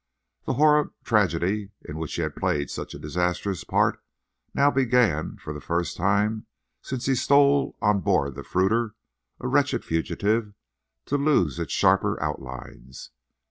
The horrid tragedy in which he had played such a disastrous part now began, for the first time since he stole on board the fruiter, a wretched fugitive, to lose its sharper outlines.